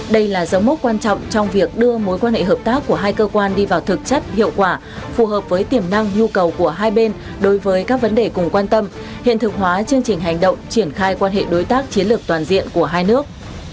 đây là dấu mốc quan trọng trong việc đưa mối quan hệ hợp tác của hai cơ quan đi vào thực chất hiệu quả phù hợp với tiềm năng nhu cầu của hai bên đối với các vấn đề cùng quan tâm hiện thực hóa chương trình hành động triển khai quan hệ đối tác chiến lược toàn diện của hai nước